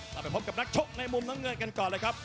เราไปพบกับนักชกในมุมน้ำเงินกันก่อนเลยครับ